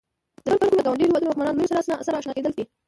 د څپرکي موخې د ګاونډیو هېوادونو واکمنو لړیو سره آشنا کېدل دي.